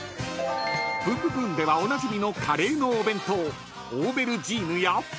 ［『ブンブブーン！』ではおなじみのカレーのお弁当オーベルジーヌや］